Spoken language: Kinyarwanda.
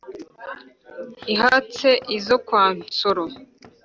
Ihatse izo kwa Nsoro,